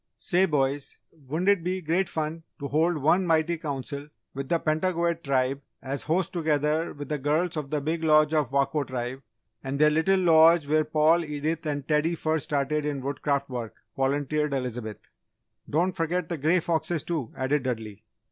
"Say, boys, wouldn't it be great fun to hold one mighty Council with the Pentagoet Tribe as host together with the girls of The Big Lodge of Wako Tribe, and their Little Lodge where Paul, Edith and Teddy first started in Woodcraft Work?" volunteered Elizabeth. "Don't forget the Grey Foxes, too!" added Dudley.